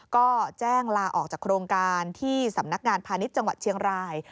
ก็แจ้งลาออกจากโครงการที่สำนักงานพาณิชย์จังหวัดเชียงราย